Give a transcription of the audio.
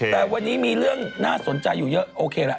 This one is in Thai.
แต่วันนี้มีเรื่องน่าสนใจอยู่เยอะโอเคละ